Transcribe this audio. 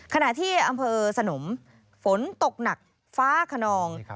ขณะที่อำเภอสนมฝนตกหนักฟ้าขนอง